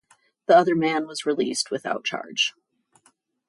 The other man was released without charge.